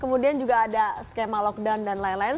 kemudian juga ada skema lockdown dan lain lain